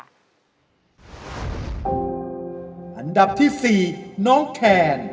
อันดับที่๔น้องแคน